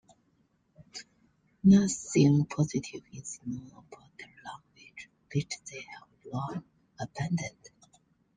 Nothing positive is known about their language, which they have long abandoned.